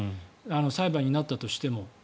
裁判になったとしても。